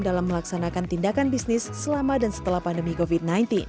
dalam melaksanakan tindakan bisnis selama dan setelah pandemi covid sembilan belas